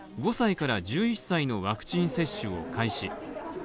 ５歳から１１歳のワクチン接種を開始。